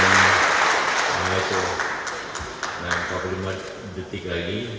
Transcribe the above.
masalah itu akan masalah itu akan empat puluh lima detik lagi